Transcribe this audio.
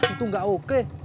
itu nggak oke